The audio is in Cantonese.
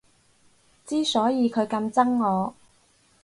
之所以佢咁憎我